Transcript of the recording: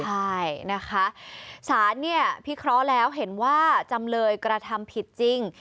ใช่นะคะสารเนี่ยพิเคราะห์แล้วเห็นว่าจำเลยกระทำผิดจริง